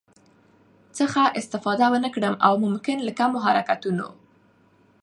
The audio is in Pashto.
څخه استفاده ونکړم او ممکن له کمو حرکتونو